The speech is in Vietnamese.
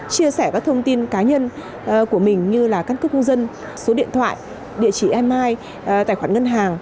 chia sẻ các thông tin cá nhân của mình như các cấp hôn dân số điện thoại địa chỉ email tài khoản ngân hàng